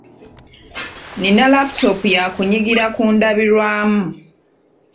Nnina laputopu ya kunyigira ku ndabirwamu.